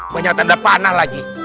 banyak tanda panah lagi